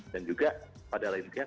dan juga pada lainnya